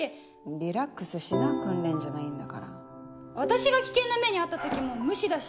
リラックスしな訓練じゃないんだから私が危険な目に遭った時も無視だし。